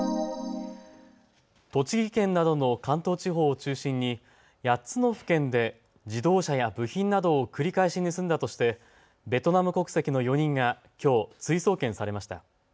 栃木県などの関東地方を中心に８つの府県で自動車や部品などを繰り返し盗んだとしてベトナム国籍の４人がきょう追送検されました。